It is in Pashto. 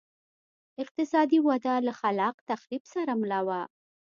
اقتصادي وده له خلاق تخریب سره مله وه